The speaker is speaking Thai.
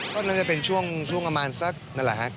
ก็น่าจะเป็นช่วงประมาณสักนั่นแหละฮะ